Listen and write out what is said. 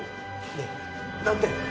ねえ何点？